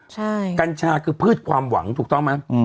ใช่กัญชาคือพืชความหวังถูกต้องไหม